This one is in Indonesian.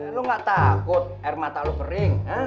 lu gak takut air mata lo kering